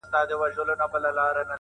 بد ښکارئ او هم مو حیثیت خرابوي